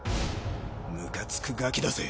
ムカつくガキだぜ！